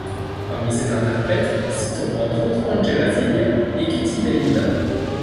Parmi ses interprètes, citons entre autres Angela Zilia et Keti Belinda.